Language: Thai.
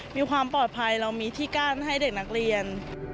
มีความปลอดภัยเรามีที่กั้นให้เด็กนักเรียน